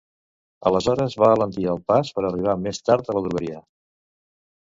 Aleshores va alentir el pas per arribar més tard a la drogueria.